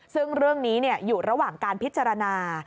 ซึ่งเรื่องนี้อยู่ระหว่างการพิจารณา